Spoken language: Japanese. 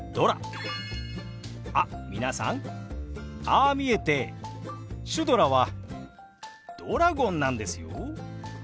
あっ皆さんああ見えてシュドラはドラゴンなんですよ。